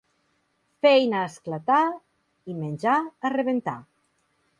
Feina a esclatar i menjar a rebentar.